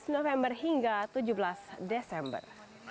dua belas november hingga tujuh belas desember